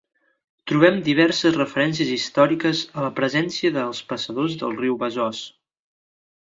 Trobem diverses referències històriques a la presència dels passadors del riu Besòs.